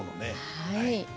はい。